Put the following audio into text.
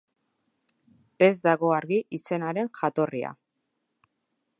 Ez dago argi izenaren jatorria.